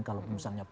kalau misalnya perpu